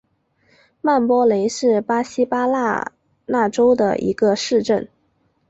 曼波雷是巴西巴拉那州的一个市镇。